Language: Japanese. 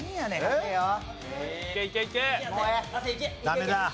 ダメだ。